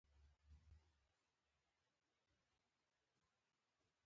ځینو برخو کې د انسانانو یخ وهلي مړي پراته وو